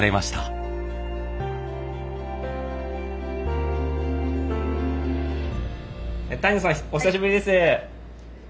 お久しぶりです。